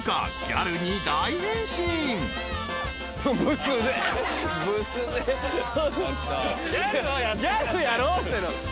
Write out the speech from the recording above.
ギャルやろうって。